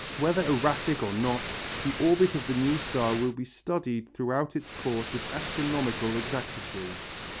Whether erratic or not, the orbit of the new star will be studied throughout its course with astronomical exactitude.